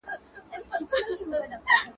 یو په بل پسي سړیږي یوه وروسته بله وړاندي..